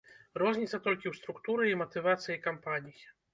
Розніца толькі ў структуры і матывацыі кампаній.